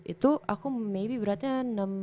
itu aku maybe beratnya